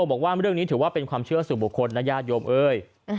บอกว่าเรื่องนี้ถือว่าเป็นความเชื่อสู่บุคคลนะญาติโยมเอ้ย